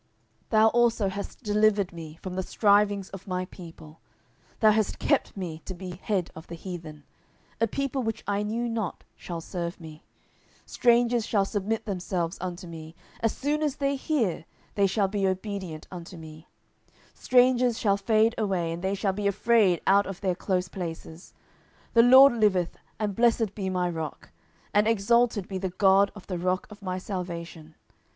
10:022:044 Thou also hast delivered me from the strivings of my people, thou hast kept me to be head of the heathen: a people which I knew not shall serve me. 10:022:045 Strangers shall submit themselves unto me: as soon as they hear, they shall be obedient unto me. 10:022:046 Strangers shall fade away, and they shall be afraid out of their close places. 10:022:047 The LORD liveth; and blessed be my rock; and exalted be the God of the rock of my salvation.